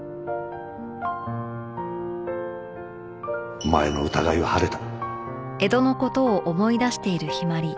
お前の疑いは晴れた。